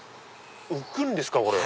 浮くんですか⁉これ。